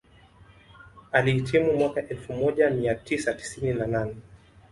Alihitimu mwaka elfu moja mia tisa tisini na nane